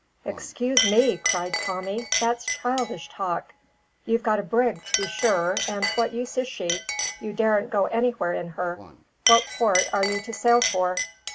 "Excuse me!" cried Tommy. "That's childish talk. You've got a brig, to be sure, and what use is she? You daren't go anywhere in her. What port are you to sail for?"